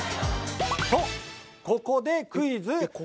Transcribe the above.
とここでクイズ。